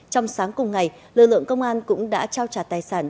trong sáng cùng ngày lực lượng công an cũng đã trao trả tài sản